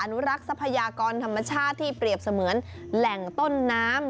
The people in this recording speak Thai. นุรักษ์ทรัพยากรธรรมชาติที่เปรียบเสมือนแหล่งต้นน้ำ